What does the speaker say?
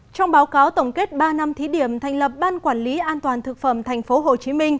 trong báo cáo tổng kết ba năm thí điểm thành lập ban quản lý an toàn thực phẩm tp hcm